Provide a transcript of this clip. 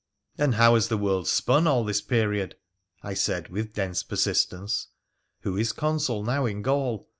' And how has the world spun all this period ?' I said, with dense persistence. ' Who is Consul now in Gaul